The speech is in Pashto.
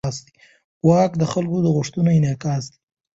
واک د خلکو د غوښتنو انعکاس دی.